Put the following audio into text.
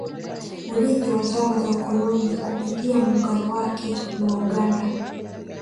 Urithi wa zama za ukoloni Kupitia muungano wake wa Uganda